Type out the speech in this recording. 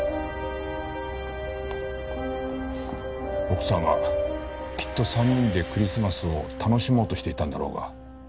奥さんはきっと３人でクリスマスを楽しもうとしていたんだろうが。